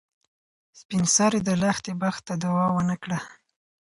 سپین سرې د لښتې بخت ته دعا ونه کړه.